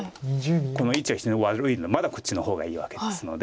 この位置は非常に悪いまだこっちの方がいいわけですので。